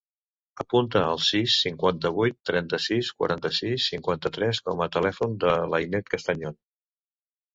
Apunta el sis, cinquanta-vuit, trenta-sis, quaranta-sis, cinquanta-tres com a telèfon de l'Ainet Castañon.